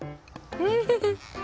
うん！